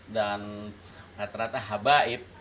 dan rata rata habaib